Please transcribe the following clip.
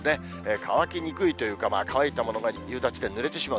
乾きにくいというか、乾いたものが夕立でぬれてしまう。